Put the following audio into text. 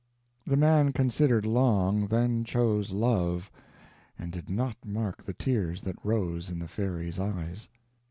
The man considered long, then chose Love; and did not mark the tears that rose in the fairy's eyes.